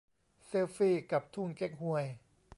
เซลฟี่กับทุ่งเก๊กฮวย